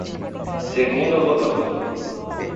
Segunda votação.